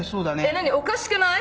おかしくない？